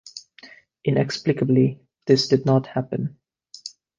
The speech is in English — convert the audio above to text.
Inexplicably, this did not happen.